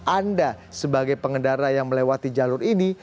anda sebagai pengendara yang melewati jalur ini